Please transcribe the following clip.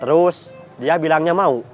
terus dia bilangnya mau